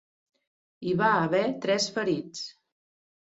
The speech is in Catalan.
Hi va haver tres ferits.